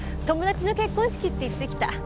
友達の結婚式って言って来た。